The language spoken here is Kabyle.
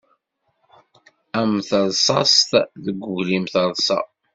Am terṣast deg uglim terṣa.